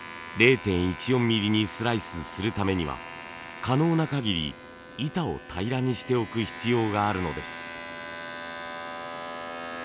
０．１４ミリにスライスするためには可能なかぎり板を平らにしておく必要があるのです。